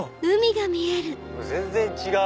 全然違う！